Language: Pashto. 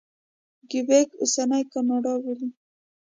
کیوبک اوسنۍ کاناډا بولي.